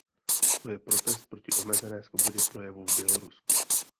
To je protest proti omezené svobodě projevu v Bělorusku.